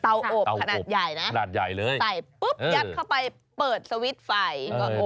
เตาอบขนาดใหญ่นะใส่ปุ๊บยักษ์เข้าไปเปิดสวิตช์ไฟก่อนอบเลย